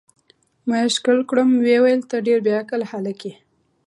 ما یې ښکل کړم، ویې ویل: ته ډېر بې عقل هلک یې.